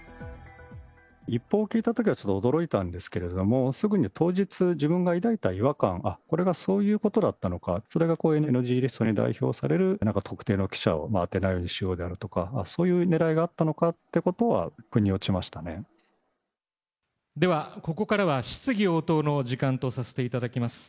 一報を聞いたときはちょっと驚いたんですけれども、すぐに当日、自分が抱いた違和感、ああ、これがそういうことだったのか、これがこういうＮＧリストに代表される、なんか特定の記者を当てないようにしようであるとか、そういうねらいがあったのかということは、ではここからは、質疑応答の時間とさせていただきます。